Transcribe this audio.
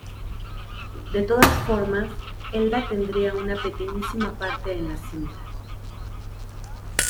De todas formas Elda tendría una pequeñísima parte en la cinta.